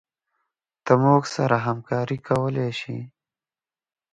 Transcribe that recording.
ته موږ سره همکارې کولي شي